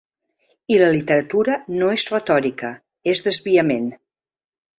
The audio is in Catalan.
I la literatura no és retòrica, és desviament.